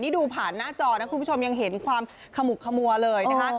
นี่ดูผ่านหน้าจอนะคุณผู้ชมยังเห็นความขมุกขมัวเลยนะคะ